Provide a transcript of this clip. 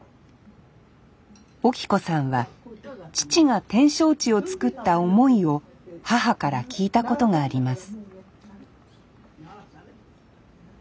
オキ子さんは父が展勝地をつくった思いを母から聞いたことがあります